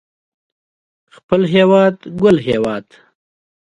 خپل هيواد ګل هيواد